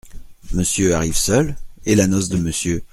Monsieur arrive seul ?… et la noce de Monsieur ?…